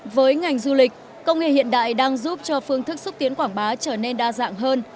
với ngành du lịch công nghệ hiện đại đang giúp cho phương thức xúc tiến quảng bá trở nên đa dạng hơn